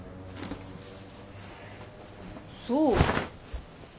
そう。